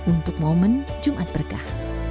untuk momen jumat berkah